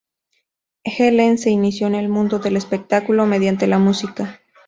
Ellen se inició en el mundo del espectáculo mediante la música.